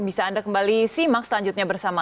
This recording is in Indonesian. bisa anda kembali simak selanjutnya bersama